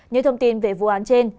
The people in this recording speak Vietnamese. những thông tin về vụ án trên